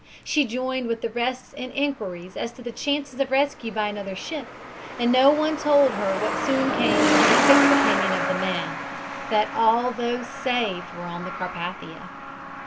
She joined with the rest in inquiries as to the chances of rescue by another ship, and no one told her what soon came to be the fixed opinion of the men that all those saved were on the Carpathia.